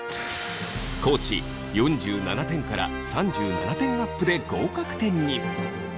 地４７点から３７点アップで合格点に！